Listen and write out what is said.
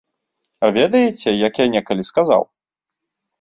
А ведаеце, як я некалі сказаў?